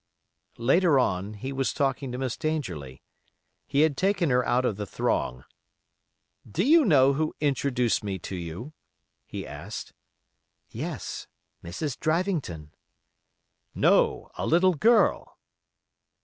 Later on he was talking to Miss Dangerlie. He had taken her out of the throng. "Do you know who introduced me to you?" he asked. "Yes, Mrs. Drivington." "No, a little girl."